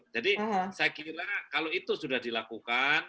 jadi saya kira kalau itu sudah dilakukan